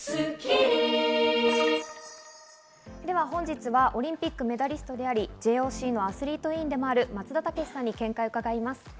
本日はオリンピックメダリストであり、ＪＯＣのアスリート委員でもある松田丈志さんに見解を伺います。